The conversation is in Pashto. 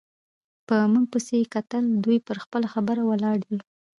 په موږ پسې یې کتل، دوی پر خپله خبره ولاړې دي.